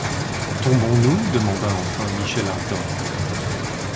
Tombons-nous ? demanda enfin Michel Ardan.